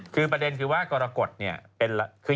คือประเด็นกรกฎนี้เป็นอะไร